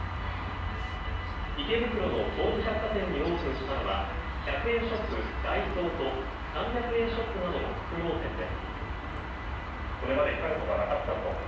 池袋の東武百貨店にオープンしたのは１００円ショップ、ダイソーと３００円ショップなどの複合店です。